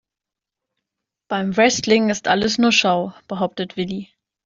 "Beim Wrestling ist alles nur Show", behauptet Willi.